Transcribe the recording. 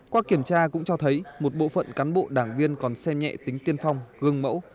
qua kiểm tra cũng cho thấy một bộ phận cán bộ đảng viên còn xem nhẹ tính tiên phong gương mẫu